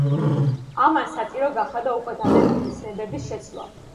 ამან საჭირო გახადა უკვე დანერგილი ცნებების შეცვლა.